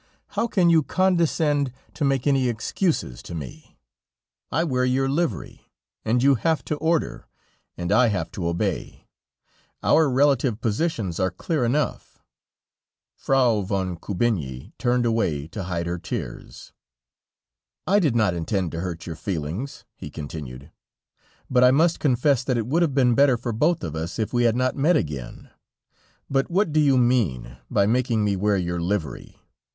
"How can you condescend to make any excuses to me? I wear your livery, and you have to order, and I have to obey; our relative positions are clear enough." Frau von Kubinyi turned away to hide her tears. "I did not intend to hurt your feelings," he continued: "but I must confess that it would have been better for both of us, if we had not met again. But what do you mean by making me wear your livery?